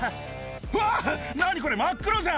わっ、何これ、真っ黒じゃん。